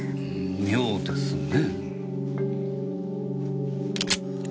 妙ですね？